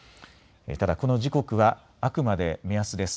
ただこの時刻はあくまで目安です。